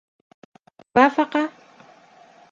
هل وافق؟